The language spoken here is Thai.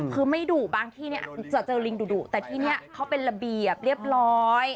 คือไม่ดุบางที่เนี่ยจะเจอลิงดุแต่ที่นี่เขาเป็นระเบียบเรียบร้อย